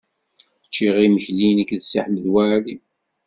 Ččiɣ imekli nekk d Si Ḥmed Waɛli.